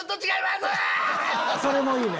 それもいいね。